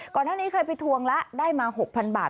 ก่อนหน้านี้เคยไปทวงแล้วได้มา๖๐๐๐บาท